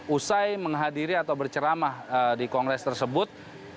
usai menghadiri atau berceramah di kongres tersebut